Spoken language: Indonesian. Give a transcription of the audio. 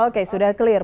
oke sudah clear